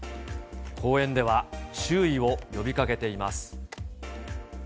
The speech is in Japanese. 公園では注意を呼びかけています。